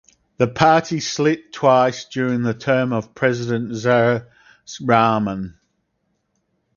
The party slit twice during the term of President Ziaur Rahman.